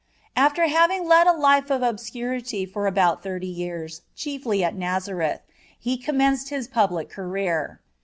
After having led a life of obscurity for about thirty years, chiefly at Nazareth, He commenced His public career.